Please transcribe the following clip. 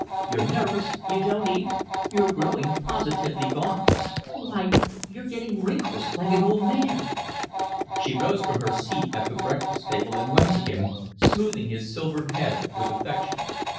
You're nervous; you don't eat; you're growing positively gaunt. Why you're getting wrinkles like an old man." She rose from her seat at the breakfast table and went to him, smoothing his silvered head with affection.